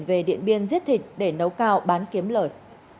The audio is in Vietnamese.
về điện biên giết thịt để nấu cao bán kiếm lời